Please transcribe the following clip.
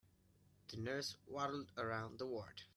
The nurse waddled around the ward.